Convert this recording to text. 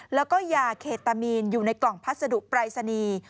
แล้วก็ยาเคตามีนอยู่ในกล่องพัสดุปรายศนีย์